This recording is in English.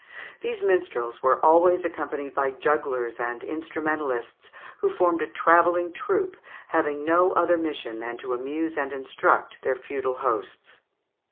These minstrels were always accompanied by jugglers and instrumentalists, who formed a travelling troop (Fig. 49), having no other mission than to amuse and instruct their feudal hosts.